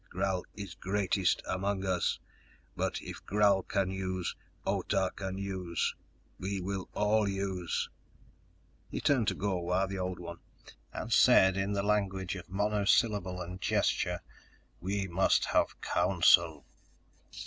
Gral is greatest among us! But if Gral can use, Otah can use we will all use!" He turned to Gor wah the Old One, and said in the language of monosyllable and gesture: "We must have Council!"